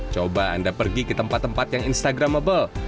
coba anda pergi ke tempat tempat yang instagramable